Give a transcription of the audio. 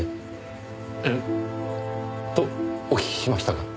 えっ？とお聞きしましたが。